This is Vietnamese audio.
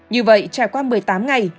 như vậy trải qua một mươi tám ngày